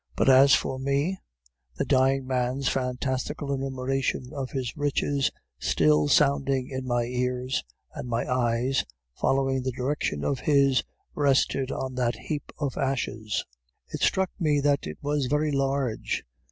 "But as for me, the dying man's fantastical enumeration of his riches still sounding in my ears, and my eyes, following the direction of his, rested on that heap of ashes. It struck me that it was very large.